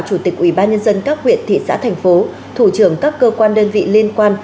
chủ tịch ủy ban nhân dân các huyện thị xã thành phố thủ trưởng các cơ quan đơn vị liên quan